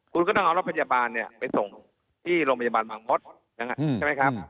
คุณก็ต้องเอารถพยาบาลไปส่งที่โรงพยาบาลบางมศใช่ไหมครับ